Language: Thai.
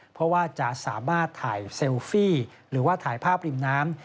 เพราะว่าจะสามารถถ่ายเซลฟี่หรือว่าถ่ายภาพริมน้ำ